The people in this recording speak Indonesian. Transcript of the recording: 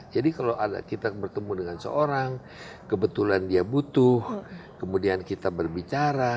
jadi kalau kita bertemu dengan seorang kebetulan dia butuh kemudian kita berbicara